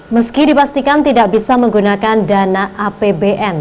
meski dipastikan tidak bisa menggunakan dana apbn